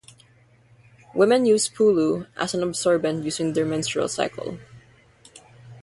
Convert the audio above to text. Women used pulu as an absorbent during their menstrual cycle.